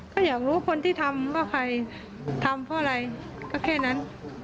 ก็อยากรู้คนที่ทำว่าใครทำเพราะอะไรก็แค่นั้น